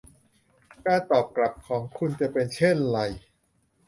การตอบกลับของคุณจะเป็นเช่นไร